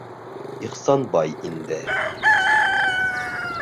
Ихсанбай инде